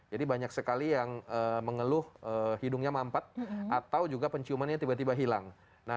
jadi banyak sekali yang mengeluh hidungnya mampat atau juga penciumannya tiba tiba hilang